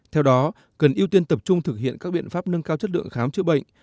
theo đó cần ưu tiên tập trung thực hiện các biện pháp nâng cao chất lượng khám chữa bệnh